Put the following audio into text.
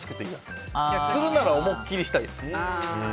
するなら思いっきりしたいです。